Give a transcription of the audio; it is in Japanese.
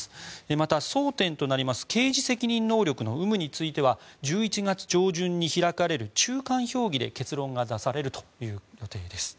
また、争点となります刑事責任能力の有無については１１月上旬に開かれる中間評議で結論が出されるという予定です。